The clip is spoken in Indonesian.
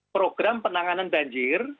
program penanganan banjir